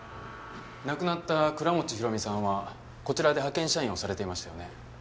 亡くなった倉持広美さんはこちらで派遣社員をされていましたよね？